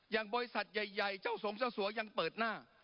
อย่างบริษัทใหญ่เจ้าสมเจ้าสัวยังเปิดหน้า